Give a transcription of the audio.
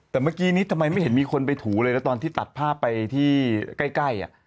แต่เมื่อกี้นี้ทำไมไม่เห็นมีคนไปถูเลยนะตอนที่ตัดภาพไปที่ใกล้